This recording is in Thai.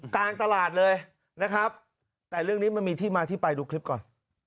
กลางตลาดเลยนะครับแต่เรื่องนี้มันมีที่มาที่ไปดูคลิปก่อน